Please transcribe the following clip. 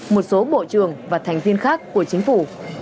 một số bộ trưởng và thành viên khác của chính phủ